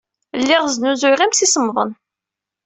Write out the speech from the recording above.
Lliɣ snuzuyeɣ imsisemḍen.